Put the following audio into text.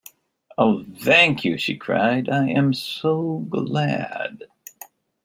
Oh thank you! she cried. I am so glad!